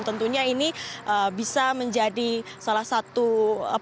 tentunya ini bisa menjadi salah satu pekerjaan